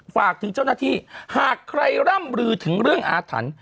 ฝากถึงเจ้าหน้าที่หากใครร่ำลือถึงเรื่องอาถรรพ์